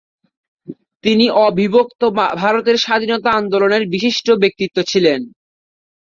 তিনি অবিভক্ত ভারতের স্বাধীনতা আন্দোলনের বিশিষ্ট ব্যক্তিত্ব ছিলেন।